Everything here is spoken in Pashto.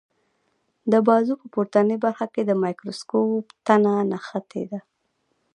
د بازو په پورتنۍ برخه کې د مایکروسکوپ تنه نښتې ده.